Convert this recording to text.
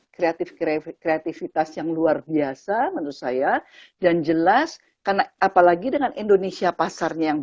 kreatif kreatifitas yang luar biasa menurut saya dan jelas karena apalagi dengan indonesia pasarnya yang